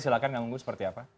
silahkan kang unggu seperti apa